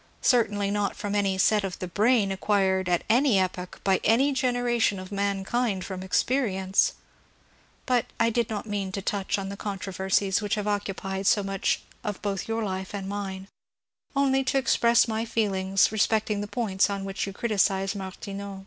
Certainly not from any " set of the brain " acquired at any epoch by any generation of mankind from experience I 442 MONCUEE DANIEL CONWAY But I did not mean to touch on the eontroYersies which have occupied so much of both your life and mine, — onlj to express my feelings respecting the points on which yon criticise Martineau.